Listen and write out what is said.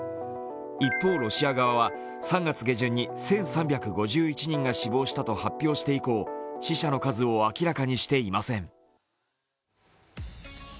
一方、ロシア側は３月下旬に１３５１人が死亡したと発表して以降死者の数を明らかにしていません。